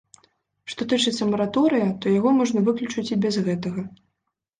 Што тычыцца мараторыя, то яго можна выключыць і без гэтага.